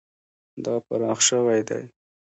دا پراخ شوی دی.